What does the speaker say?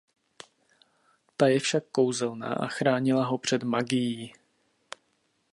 Ta je však kouzelná a chránila ho před magií.